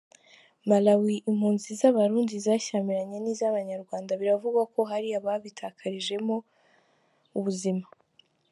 Malawi: Impunzi z’Abarundi zashyamiranye n’iz’Abanyarwanda biravugwa ko hari ababitakarijemo ubuzima.